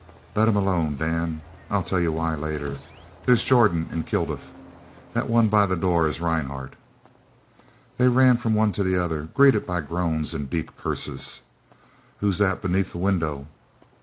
"Let him alone, Dan! I'll tell you why later. There's Jordan and Kilduff. That one by the door is Rhinehart." They ran from one to the other, greeted by groans and deep curses. "Who's that beneath the window?"